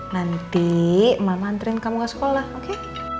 nanti mama mantrin kamu ke sekolah oke